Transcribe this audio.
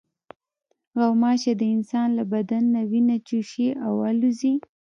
غوماشې د انسان له بدن نه وینه چوشي او الوزي.